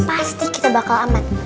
pasti kita bakal amat